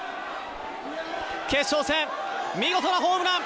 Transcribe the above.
決勝戦、見事なホームラン。